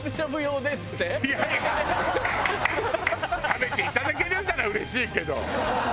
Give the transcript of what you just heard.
食べていただけるんならうれしいけど。